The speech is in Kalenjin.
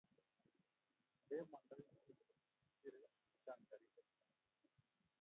nde mandoi nguni komesirei amu chang garishek nguni